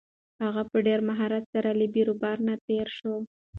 هغه په ډېر مهارت سره له بېروبار نه تېر شو.